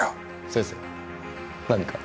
先生何か？